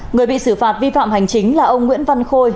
người bị xử phạt vi phạm hành chính là ông nguyễn văn khôi